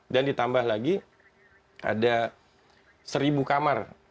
dan ditambah lagi ada seribu kamar